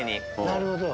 なるほど。